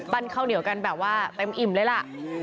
ปั้นข้าวเหนียวกันแบบว่าแบบว่าเต็มอิ่มเลยละ